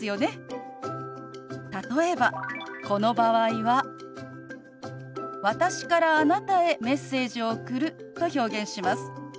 例えばこの場合は「私からあなたへメッセージを送る」と表現します。